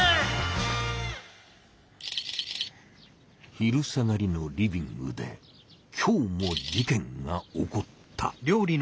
昼下がりのリビングで今日も事件が起こった。